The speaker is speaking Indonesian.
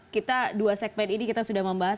kita dua segmen ini kita sudah membahas